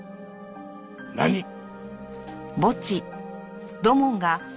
何っ！？